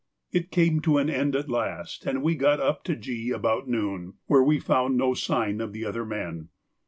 It came to an end at last, and we got up to G about noon, where we found no sign of the other men.